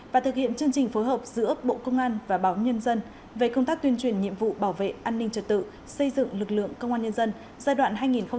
và thực hiện chương trình phối hợp giữa bộ công an và báo nhân dân về công tác tuyên truyền nhiệm vụ bảo vệ an ninh trật tự xây dựng lực lượng công an nhân dân giai đoạn hai nghìn một mươi sáu hai nghìn hai mươi năm